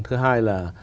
thứ hai là